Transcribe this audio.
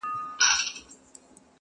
ویښ مي له پېړیو په خوب تللي اولسونه دي-